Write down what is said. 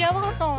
aku sama siapa